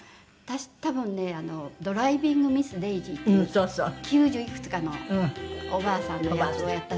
『ドライビング・ミス・デイジー』っていう九十いくつかのおばあさんの役をやった時に。